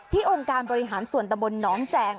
องค์การบริหารส่วนตะบนน้องแจง